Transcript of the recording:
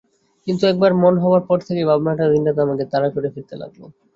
কিন্তু একবার মনে হবার পর থেকেই ভাবনাটা দিনরাত আমাকে তাড়া করে ফিরতে লাগল।